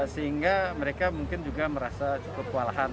sehingga mereka mungkin juga merasa cukup kewalahan